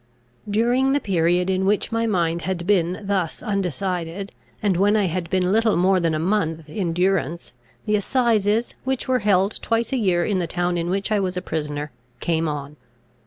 During the period in which my mind had been thus undecided, and when I had been little more than a month in durance, the assizes, which were held twice a year in the town in which I was a prisoner, came on.